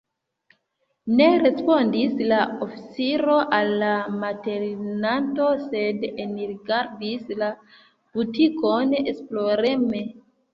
Ne respondis la oficiro al la metilernanto, sed enrigardis la butikon esploreme.